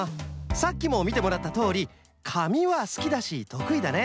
さっきもみてもらったとおりかみはすきだしとくいだね。